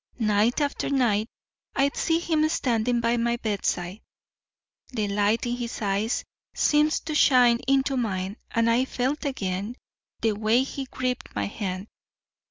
Night after night I'd see him standing by my bedside; the light in his eyes seemed to shine into mine, and I felt again the way he gripped my hand.